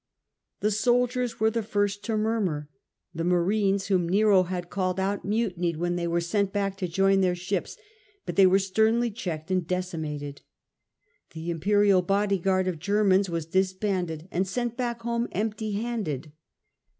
The soldiers were the first to murmur. The marines whom Nero had called out mutinied when they were sent Discontent of ships, but they were sternly the marines, checked and decimated. The imperial body guard of Germans was disbanded and sent back home empty handed.